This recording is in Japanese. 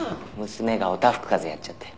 「娘がおたふくかぜやっちゃって」